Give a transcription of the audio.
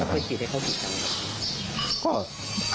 แล้วเคยฉีดให้เขากี่ครั้งล่ะ